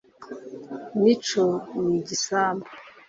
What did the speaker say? Mico ni igisambo